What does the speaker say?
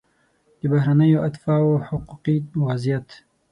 د بهرنیو اتباعو حقوقي وضعیت